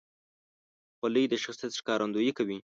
خولۍ د شخصیت ښکارندویي کوي.